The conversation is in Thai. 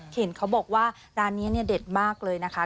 เห็นเขาบอกว่าร้านนี้เนี่ยเด็ดมากเลยนะคะ